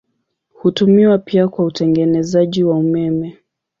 Hutumiwa pia kwa utengenezaji wa umeme.